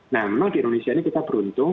nah memang di indonesia ini kita beruntung